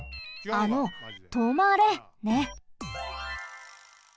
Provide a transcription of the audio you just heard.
あの「とまれ」ね。